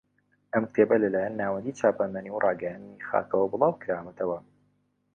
ئەم کتێبە لەلایەن ناوەندی چاپەمەنی و ڕاگەیاندنی خاکەوە بڵاو کراوەتەوە